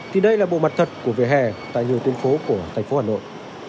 thì đây là bộ mặt thật của vỉa hè tại nhiều tuyến phố của thành phố hà nội